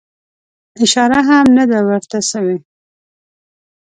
اشاره هم نه ده ورته سوې.